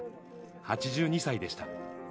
８２歳でした。